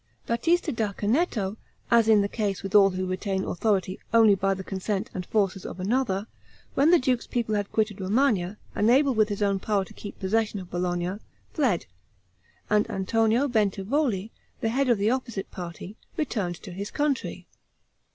Batista da Canneto, as in the case with all who retain authority only by the consent and forces of another, when the duke's people had quitted Romagna, unable with his own power to keep possession of Bologna, fled, and Antonio Bentivogli, the head of the opposite party, returned to his country.